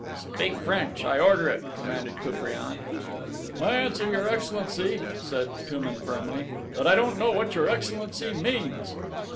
"Speak French. I order it," commanded Koupriane. "I answer, Your Excellency," said Touman firmly, "that I don't know what Your Excellency means."